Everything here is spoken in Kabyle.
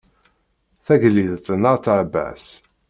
Tagliḍt n at ɛebbas.